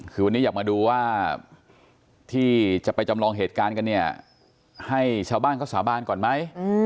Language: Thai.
คือวันนี้อยากมาดูว่าที่จะไปจำลองเหตุการณ์กันเนี่ยให้ชาวบ้านเขาสาบานก่อนไหม